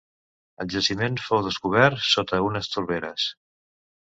El jaciment fou descobert sota unes torberes.